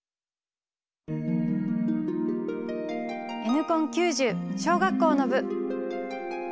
Ｎコン９０小学校の部。